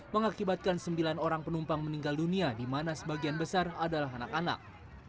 mengakibatkan sembilan orang penumpang meninggal dunia di mana sebagian besar adalah anak anak